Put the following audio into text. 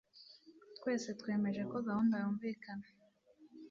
Twese twemeje ko gahunda yumvikana